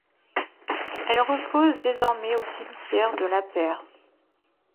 Elle repose désormais au cimetière de Lapeyre.